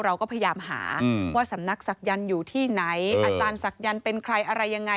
เราก็พยายามหาว่าสำนักศักยันต์อยู่ที่ไหนอาจารย์ศักยันต์เป็นใครอะไรยังไง